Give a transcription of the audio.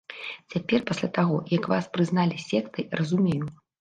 Цяпер, пасля таго, як вас прызналі сектай, разумею.